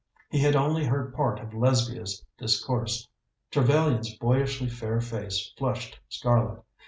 He had only heard part of Lesbia's discourse. Trevellyan's boyishly fair face flushed scarlet.